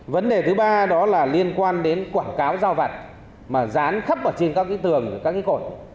vấn đề thứ ba đó là liên quan đến quảng cáo giao vặt mà rán khắp trên các cái tường các cái cổi